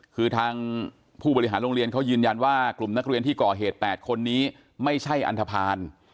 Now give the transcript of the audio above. คือทางผู้บริหารโรงเรียนเขายืนยันว่ากลุ่มนักเรียนที่ก่อเหตุ๘คนนี้ไม่ใช่อันทภาณ